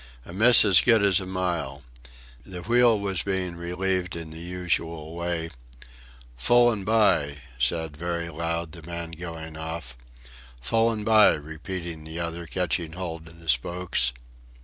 A miss as good as a mile.... The wheel was being relieved in the usual way. "Full and by," said, very loud, the man going off. "Full and by," repeated the other, catching hold of the spokes.